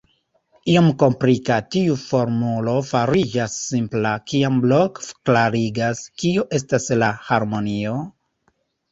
Iom komplika, tiu formulo fariĝas simpla, kiam Blok klarigas: Kio estas la harmonio?